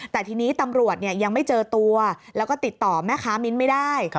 แต่ทีนี้ตำรวจยังไม่เจอตัวแล้วก็ติดต่อแม่ค้ามิ้นไม่ได้